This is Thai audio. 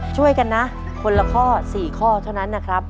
ช่วยกันนะคนละข้อ๔ข้อเท่านั้นนะครับ